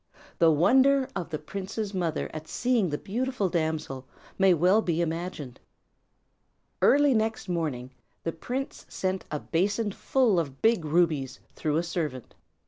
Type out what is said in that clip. The wonder of the prince's mother at seeing the beautiful damsel may be well imagined. Early next morning the prince sent a basin full of big rubies, through a servant.